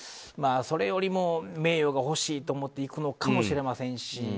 それよりも名誉が欲しいと思っていくのかもしれませんし。